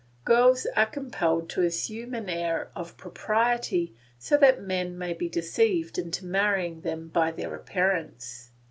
Girls are compelled to assume an air of propriety so that men may be deceived into marrying them by their appearance.